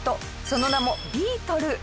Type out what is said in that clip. その名もビートル。